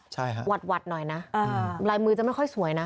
ใช่ค่ะหวัดหน่อยนะลายมือจะไม่ค่อยสวยนะ